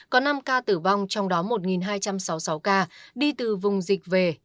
có năm ca tử vong trong đó một hai trăm sáu mươi sáu ca đi từ vùng dịch về